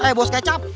eh bos kecap